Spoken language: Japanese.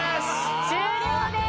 終了です！